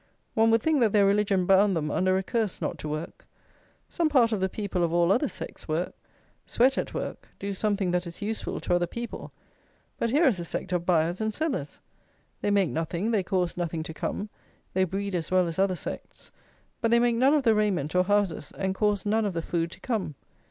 One would think that their religion bound them under a curse not to work. Some part of the people of all other sects work; sweat at work; do something that is useful to other people; but here is a sect of buyers and sellers. They make nothing; they cause nothing to come; they breed as well as other sects; but they make none of the raiment or houses, and cause none of the food to come.